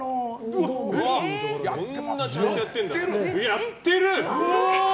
やってる！